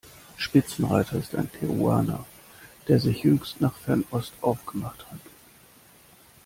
Spitzenreiter ist ein Peruaner, der sich jüngst nach Fernost aufgemacht hat.